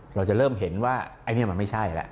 เราจะเริ่มเห็นว่ามันไม่ใช่ละ